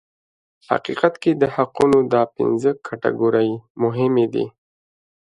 په حقیقت کې د حقوقو دا پنځه کټګورۍ مهمې دي.